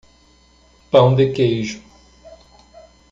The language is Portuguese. Pão de queijo.